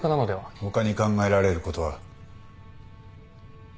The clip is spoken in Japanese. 他に考えられることは？